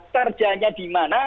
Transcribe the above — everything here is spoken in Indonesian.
kerjanya di mana